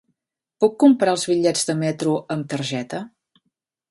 Puc comprar els bitllets de metro amb targeta?